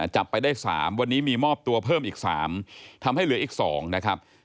จับไปได้๓วันนี้มีมอบตัวเพิ่มอีก๓ทำให้เหลืออีก๒นะครับ